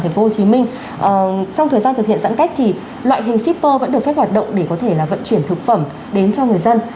thành phố hồ chí minh trong thời gian thực hiện giãn cách thì loại hình shipper vẫn được phép hoạt động để có thể là vận chuyển thực phẩm đến cho người dân